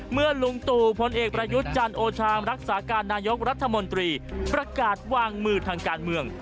ลุงตู่พลเอกประยุทธ์จันทร์โอชามรักษาการนายกรัฐมนตรีประกาศวางมือทางการเมือง